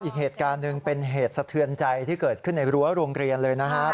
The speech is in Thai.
อีกเหตุการณ์หนึ่งเป็นเหตุสะเทือนใจที่เกิดขึ้นในรั้วโรงเรียนเลยนะครับ